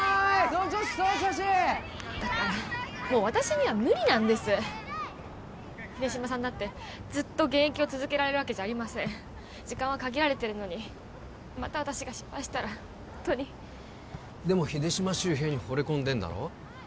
その調子その調子だからもう私には無理なんです秀島さんだってずっと現役を続けられるわけじゃありません時間は限られてるのにまた私が失敗したらホントにでも秀島修平にほれ込んでんだろ？